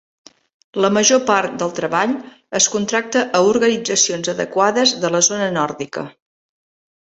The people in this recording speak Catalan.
La major part del treball es contracta a organitzacions adequades de la zona nòrdica.